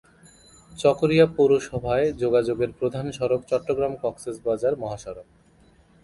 চকরিয়া পৌরসভায় যোগাযোগের প্রধান সড়ক চট্টগ্রাম-কক্সবাজার মহাসড়ক।